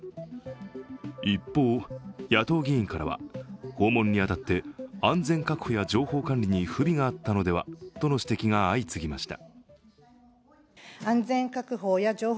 一方、野党議員からは、訪問に当たって安全確保や情報管理に不備があったのではとの指摘が相次ぎました。